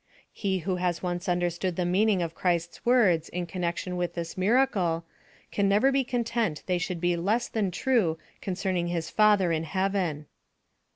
He who has once understood the meaning of Christ's words in connection with this miracle, can never be content they should be less than true concerning his Father in heaven.